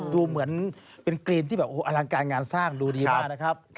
ดูเหมือนเป็นกรีนที่แบบอลังการงานสร้างดูดีมากนะครับ